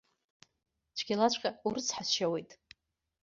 Цәгьалаҵәҟьа урыцҳасшьауеит.